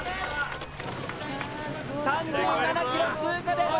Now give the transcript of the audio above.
３７ｋｍ通過です。